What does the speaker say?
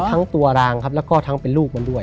ทั้งตัวรางครับแล้วก็ทั้งเป็นลูกมันด้วย